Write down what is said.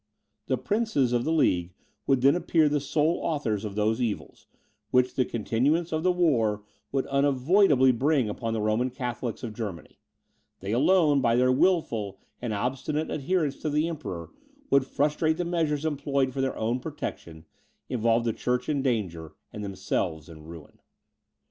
The princes of the League would then appear the sole authors of those evils, which the continuance of the war would unavoidably bring upon the Roman Catholics of Germany; they alone, by their wilful and obstinate adherence to the Emperor, would frustrate the measures employed for their protection, involve the church in danger, and themselves in ruin.